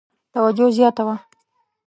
توجه زیاته وه.